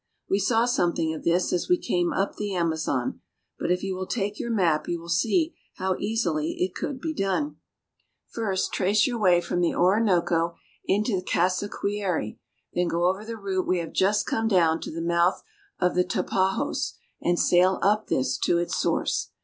We saw something of this as we came up the Amazon, but if you will take your map you will see how easily it could be done. First trace your way from the Orinoco into the Cassi quiari, then go over the route we have just come down to 328 VENEZUELA. the mouth of the Tapajos, and sail up this to its source.